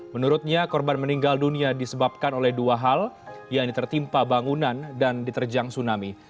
menurutnya korban meninggal dunia disebabkan oleh dua hal yang tertimpa bangunan dan diterjang tsunami